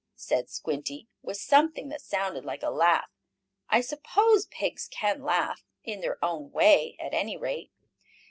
said Squinty, with something that sounded like a laugh. I suppose pigs can laugh in their own way, at any rate.